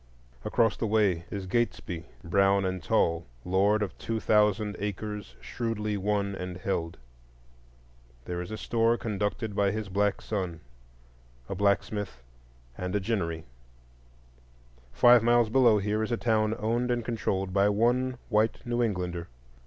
Across the way is Gatesby, brown and tall, lord of two thousand acres shrewdly won and held. There is a store conducted by his black son, a blacksmith shop, and a ginnery. Five miles below here is a town owned and controlled by one white New Englander.